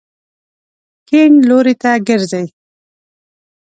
کیڼ لوري ته ګرځئ